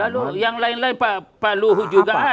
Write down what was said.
lalu yang lain lain pak luhut juga ada